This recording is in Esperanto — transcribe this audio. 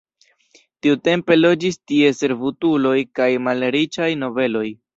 Tiutempe loĝis tie servutuloj kaj malriĉaj nobeloj.